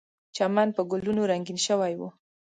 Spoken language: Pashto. چمن په ګلونو رنګین شوی و.